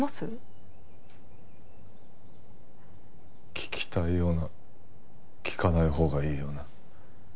聞きたいような聞かないほうがいいような。